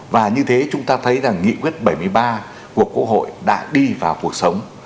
và như thế chúng ta thấy rằng nghị quyết bảy mươi ba của quốc hội đã đi vào cuộc sống